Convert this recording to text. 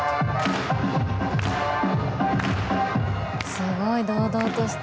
すごい堂々としてる。